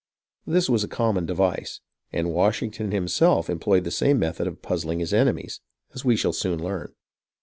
This was a common device, and Washington himself employed the same method of puzzling his enemies, as we shall soon learn.